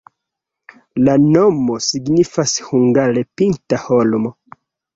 La nomo signifas hungare pinta-holmo.